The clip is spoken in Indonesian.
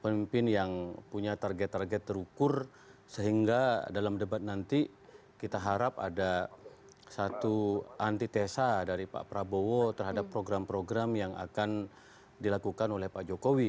pemimpin yang punya target target terukur sehingga dalam debat nanti kita harap ada satu antitesa dari pak prabowo terhadap program program yang akan dilakukan oleh pak jokowi